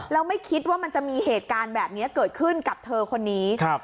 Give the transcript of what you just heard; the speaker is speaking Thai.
แล้วไม่คิดว่ามันจะมีเหตุการณ์แบบนี้เกิดขึ้นกับเธอคนนี้